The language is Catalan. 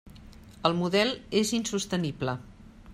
El model és insostenible.